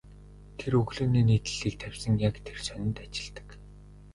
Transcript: Тэр өглөөний нийтлэлийг тавьсан яг тэр сонинд ажилладаг.